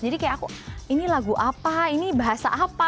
jadi kayak aku ini lagu apa ini bahasa apa